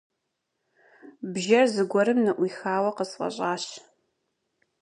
Бжэр зыгуэрым ныӀуихауэ къысфӀэщӀащ.